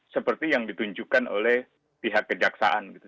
seperti yang ditunjukkan oleh pihak kejaksaan gitu